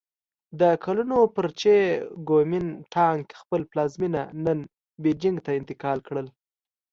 د کلونو پر چې ګومین ټانګ خپل پلازمېنه نن بیجینګ ته انتقال کړ.